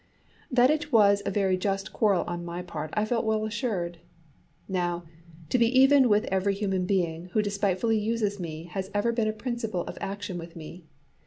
That it was a very just quarrel on my part I felt well assured. Now, to be even with every human being who despitefully uses me has ever been a principle of action with me.